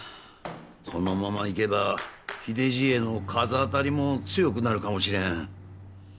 このままいけば秀じいへの風当たりも強くなるかもしれん。